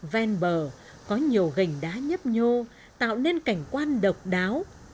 ven bờ có nhiều gành đá nhấp nhô tạo nên cảnh quan độc đáo